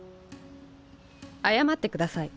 謝ってください。